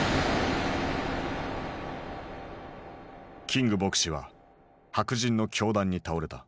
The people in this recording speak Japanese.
キング牧師は白人の凶弾に倒れた。